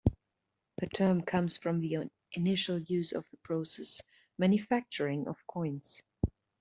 The term comes from the initial use of the process: manufacturing of coins.